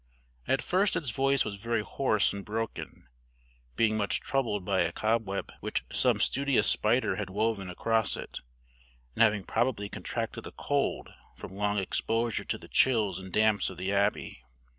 At first its voice was very hoarse and broken, being much troubled by a cobweb which some studious spider had woven across it, and having probably contracted a cold from long exposure to the chills and damps of the abbey.